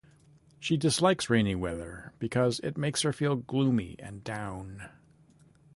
She dislikes rainy weather because it makes her feel gloomy and down.